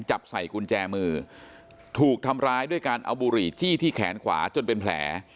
จับใส่กุญแจมือถูกทำร้ายด้วยการเอาบุหรี่จี้ที่แขนขวาจนเป็นแผล